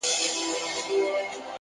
چي جانان مري دى روغ رمټ دی لېونى نـه دی.